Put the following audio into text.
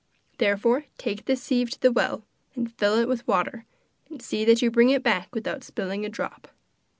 Therefore take this sieve to the well, and fill it with water, and see that you bring it back without spilling a drop.